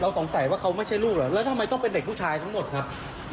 สงสัยว่าเขาไม่ใช่ลูกเหรอแล้วทำไมต้องเป็นเด็กผู้ชายทั้งหมดครับ